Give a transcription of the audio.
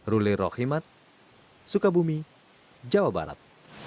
ruli rohimat sukabumi jawa barat